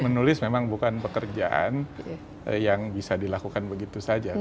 menulis memang bukan pekerjaan yang bisa dilakukan begitu saja